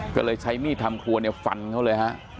ก็เลยใช้มีดทำคั่วฟันเขาเลยฮะ